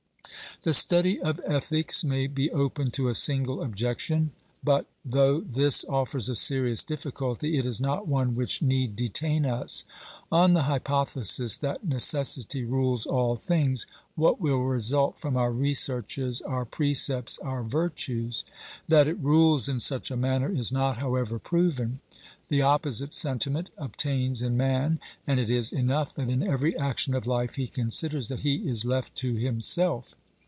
The study of ethics may be open to a single objection, but, though this offers a serious difficulty, it is not one which need detain us. On the hypothesis that necessity rules all things, what will result from our researches, our precepts, our virtues ? That it rules in such a manner is not, however, proven ; the opposite sentiment obtains in man, and it is enough tliat in every action of life he considers that he is left to himself.